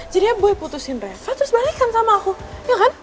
jadinya boy putusin reva terus balikin sama aku ya kan